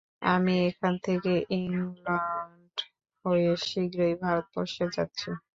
আমি এখান থেকে ইংলণ্ড হয়ে শীঘ্রই ভারতবর্ষে যাচ্ছি।